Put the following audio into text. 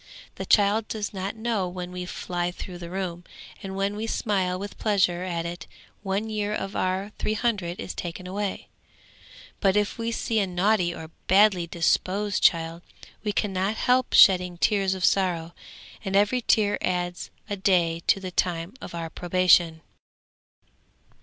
The child does not know when we fly through the room, and when we smile with pleasure at it one year of our three hundred is taken away. But if we see a naughty or badly disposed child, we cannot help shedding tears of sorrow, and every tear adds a day to the time of our probation.'